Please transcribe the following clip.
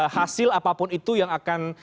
hasil apapun itu yang akan